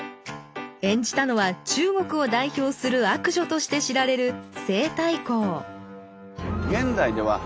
演じたのは中国を代表する悪女として知られる西太后